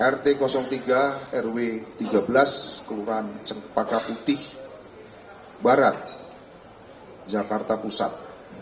rt tiga rw tiga belas kelurahan cempaka putih barat jakarta pusat